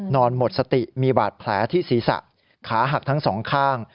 หมดสติมีบาดแผลที่ศีรษะขาหักทั้งสองข้าง